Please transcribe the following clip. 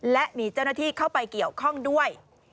และมีเจ้าหน้าที่เข้าไปเกี่ยวข้องด้วย